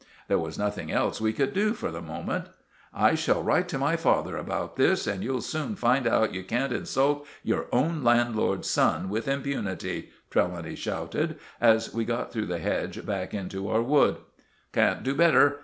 There was nothing else we could do—for the moment. "I shall write to my father about this, and you'll soon find out you can't insult your own landlord's son with impunity," Trelawny shouted, as we got through the hedge back into our wood. "Can't do better.